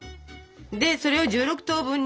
でそれを１６等分に。